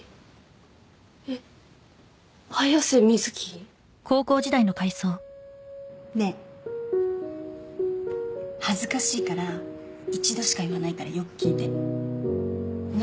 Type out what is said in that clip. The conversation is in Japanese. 早瀬瑞貴？ねえ恥ずかしいから一度しか言わないからよく聞いて何？